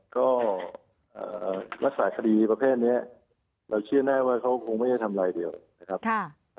ก็รักษาคดีประเภทนี้เราเชื่อแน่ว่าเขาคงไม่ได้ทำลายเดียวนะครับ